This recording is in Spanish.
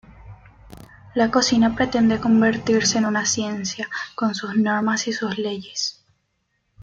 La cocina pretende convertirse en una ciencia, con sus normas y sus leyes.